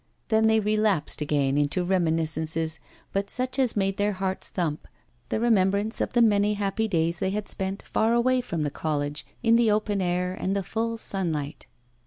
Then they relapsed again into reminiscences, but such as made their hearts thump; the remembrance of the many happy days they had spent far away from the college, in the open air and the full sunlight.